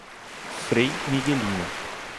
Frei Miguelinho